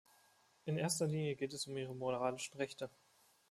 In erster Linie geht es um ihre moralischen Rechte.